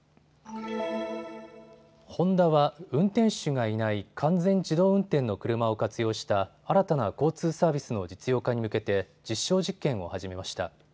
ホンダは運転手がいない完全自動運転の車を活用した新たな交通サービスの実用化に向けて実証実験を始めました。